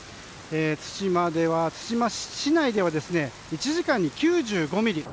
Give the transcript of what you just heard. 対馬市内では１時間に９５ミリ。